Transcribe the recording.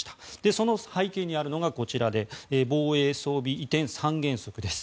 その背景にあるのがこちらで防衛装備移転三原則です。